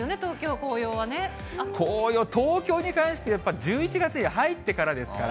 紅葉、東京に関してはやっぱり１１月に入ってからですから。